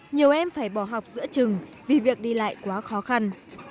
nhiều em phải bỏ học giữa trường vì việc đi lại quá khó khăn